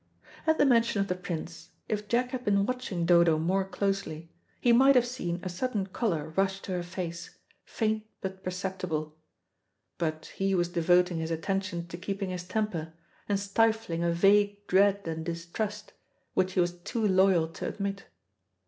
At the mention of the Prince, if Jack had been watching Dodo more closely, he might have seen a sudden colour rush to her face, faint but perceptible. But he was devoting his attention to keeping his temper, and stifling a vague dread and distrust, which he was too loyal to admit.